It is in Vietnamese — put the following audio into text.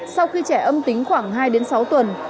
sau khi trẻ âm tính khoảng hai sáu tuần